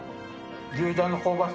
牛たんの香ばしさ。